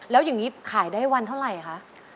แล้วอย่างนี้ขายได้วันเท่าไหร่คะ